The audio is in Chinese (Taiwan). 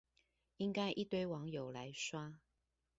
應該一堆網友來刷